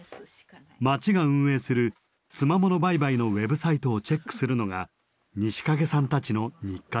町が運営するつまもの売買のウェブサイトをチェックするのが西蔭さんたちの日課です。